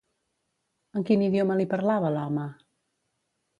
En quin idioma li parlava l'home?